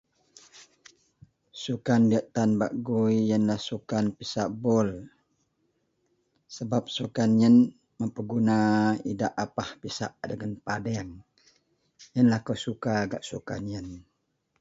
sukan diak tan bak gui ienlah sukan pisak bol, sebab sukan ien memperguna idak apak pisak dagen padang, ienlah akou gak sukan ien